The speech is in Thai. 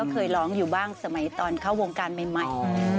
เคยร้องอยู่บ้างสมัยตอนเข้าวงการใหม่